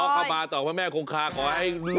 เข้ามาต่อพระแม่คงคาขอให้